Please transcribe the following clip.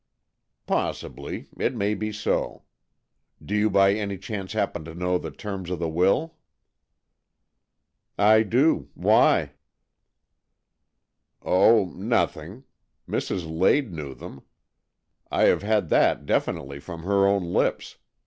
" Possibly. It may be so. Do you by any chance happen to know the terms of the will?" 94 AN EXCHANGE OF SOULS ''I do. Why?'' " Oh, nothing. Mrs. Lade knew them. I have had that definitely from her own lips.